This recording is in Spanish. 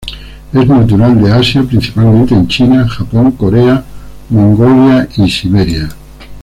Es natural de Asia principalmente en China, Japón, Corea, Mongolia y Siberia.